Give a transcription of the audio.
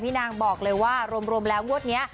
นางบอกเลยว่ารวมแล้วงวดนี้